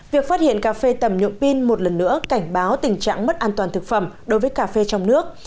việc phát hiện cà phê tầm nhuộm pin một lần nữa cảnh báo tình trạng mất an toàn thực phẩm đối với cà phê trong nước